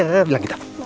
terima kasih semua